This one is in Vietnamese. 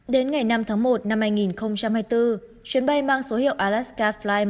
đến ngày năm tháng một năm hai nghìn hai mươi bốn chuyến bay mang số hiệu alaska fly một nghìn hai trăm tám mươi hai